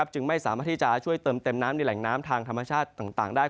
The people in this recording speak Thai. จึงไม่สามารถที่จะช่วยเติมเต็มน้ำในแหล่งน้ำทางธรรมชาติต่างได้